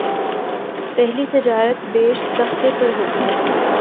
پہلی تجارت بیشتختے پر ہوتی ہے